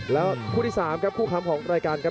แล้วคู่ที่๓ครับคู่ค้ำของรายการครับ